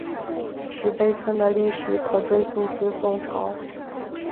石牌村的历史可追溯至宋朝。